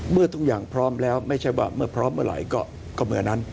เมื่อทุกอย่างพร้อมแล้วไม่ใช่ว่าเมื่อพร้อมเมื่อไหร่ก็เมื่อนั้น